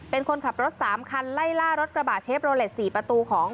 เป็นคนขับรถ๓คันไล่ล่ารถกระบะเชฟโลเลส๔ประตูของ